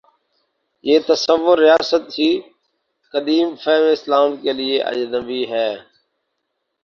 یہ تصور ریاست ہی قدیم فہم اسلام کے لیے اجنبی ہے۔